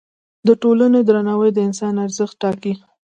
د ټولنې درناوی د انسان ارزښت ټاکه.